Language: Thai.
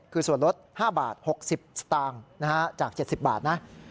คือส่วนลด๕บาท๖๐สตางค์จาก๗๐บาทนะ